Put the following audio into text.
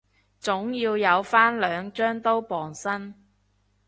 總要有返兩張刀傍身